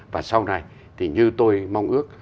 và sau này thì như tôi mong ước